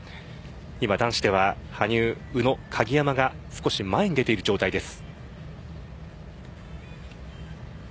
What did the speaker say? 今男子では、羽生、宇野、鍵山が少し前に出ている状態です。